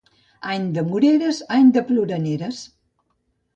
Any de moreres, any de ploraneres.